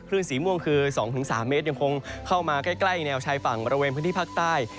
สีม่วงคือ๒๓เมตรยังคงเข้ามาใกล้แนวชายฝั่งบริเวณพื้นที่ภาคใต้